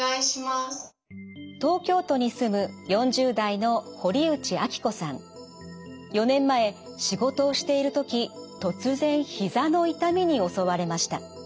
東京都に住む４０代の４年前仕事をしている時突然膝の痛みに襲われました。